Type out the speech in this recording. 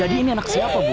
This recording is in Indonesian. yang dari ini anak siapa bu